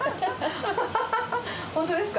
本当ですか？